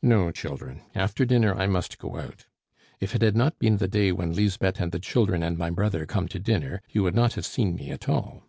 "No, children. After dinner I must go out. If it had not been the day when Lisbeth and the children and my brother come to dinner, you would not have seen me at all."